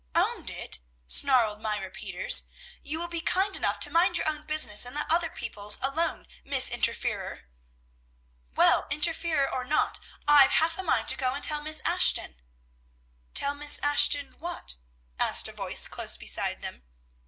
"Owned it!" snarled Myra Peters, "will you be kind enough to mind your own business, and let other people's alone, Miss Interferer?" "Well, interferer or not, I've half a mind to go and tell Miss Ashton." "Tell Miss Ashton what?" asked a voice close beside them.